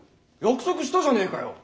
約束したじゃねえかよ！